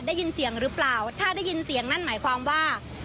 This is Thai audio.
ได้ยินเสียงหรือเปล่าถ้าได้ยินเสียงนั่นหมายความว่า